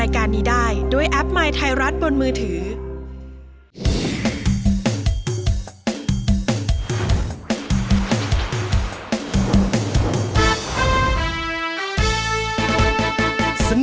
คุณล่ะโหลดหรือยัง